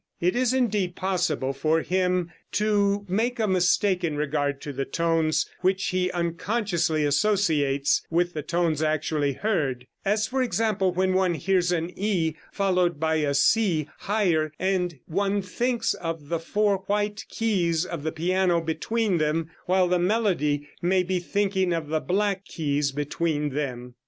It is, indeed, possible for him to make a mistake in regard to the tones which he unconsciously associates with the tones actually heard as, for example, when one hears an E followed by a C higher, and one thinks of the four white keys of the piano between them, while the melody may be thinking of the black keys between them.